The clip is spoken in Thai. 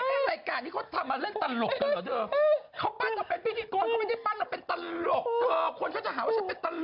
ไอ้รายการที่เค้าทำมาเล่นตลกกันเหรอเจ้า